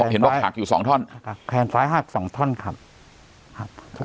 เห็นบอกหักอยู่สองท่อนหักแขนซ้ายหักสองท่อนครับหักครับ